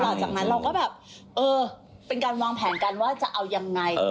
หลังจากนั้นเราก็แบบเออเป็นการวางแผนกันว่าจะเอายังไง